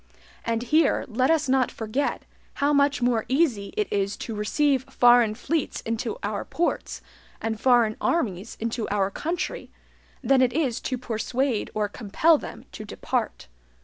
And here let us not forget how much more easy it is to receive foreign fleets into our ports, and foreign armies into our country, than it is to persuade or compel them to depart.